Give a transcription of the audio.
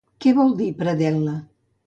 Què vol dir predel·la?